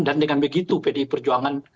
dan dengan begitu pd perjuangan